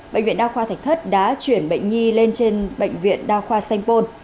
bệnh viện đa khoa thạch thất đã chuyển bệnh nhi lên trên bệnh viện đa khoa sanh pôn